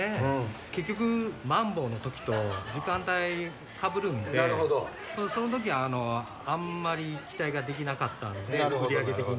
結局、まん防のときと、時間帯かぶるんで、そのときはあんまり期待ができなかったんで、売り上げ的に。